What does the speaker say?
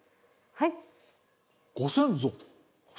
はい。